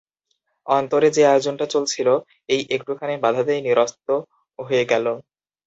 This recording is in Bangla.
অন্তরে যে আয়োজনটা চলছিল, এই একটুখানি বাধাতেই নিরস্ত হয়ে গেল।